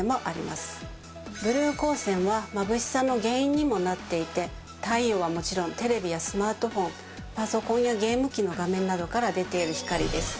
ブルー光線はまぶしさの原因にもなっていて太陽はもちろんテレビやスマートフォンパソコンやゲーム機の画面などから出ている光です。